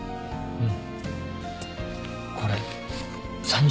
うん。